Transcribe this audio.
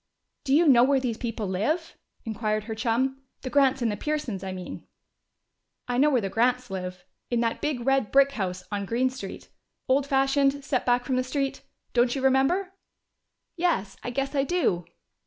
"Do you know where these people live?" inquired her chum. "The Grants and the Pearsons, I mean?" "I know where the Grants live: in that big red brick house on Green Street. Old fashioned, set back from the street. Don't you remember?" "Yes, I guess I do."